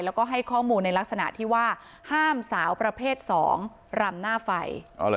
แล้วก็ให้ข้อมูลในลักษณะที่ว่าห้ามสาวประเภท๒รำหน้าไฟ